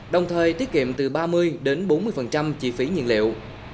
đồng thời tiết kiệm từ ba mươi đến bốn mươi chi phí nhiên liệu